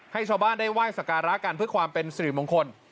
ให้ชาวบ้านได้ไหว้สการะกันเพื่อความเป็นสิริมงคล